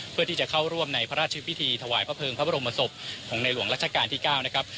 เพื่อที่จะเข้าร่วมในพระราชพิธีถวายพระเภิงพระบรมศพของในหลวงรัชกาลที่๙นะครับ